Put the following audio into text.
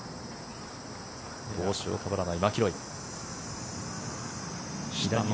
帽子をかぶらないマキロイ。